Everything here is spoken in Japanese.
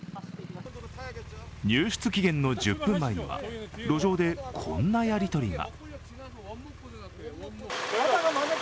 入室期限の１０分前には、路上でこんなやりとりが。